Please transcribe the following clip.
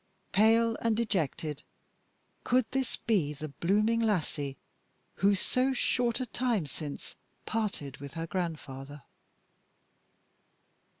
Pale and dejected, could this be the blooming lassie who so short a time since parted with her grandfather?